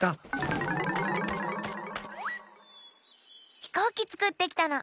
ひこうきつくってきたの。